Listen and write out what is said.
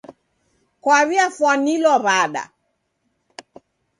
Kwaw'iafwanilwa w'ada?